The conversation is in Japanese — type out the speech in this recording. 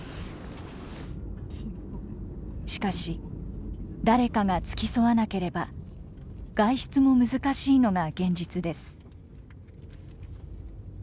しかし誰かが付き添わなければ外出も難しいのが現実です。